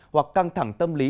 hoặc căng thẳng tâm lý